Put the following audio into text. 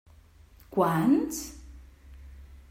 Quants?